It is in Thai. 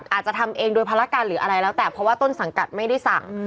อาจจะทำเองโดยภารการหรืออะไรแล้วแต่เพราะว่าต้นสังกัดไม่ได้สั่ง